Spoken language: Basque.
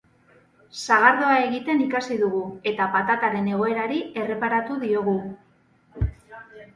Sagardoa egiten ikasi dugu eta patataren egoerari erreparatu diogu.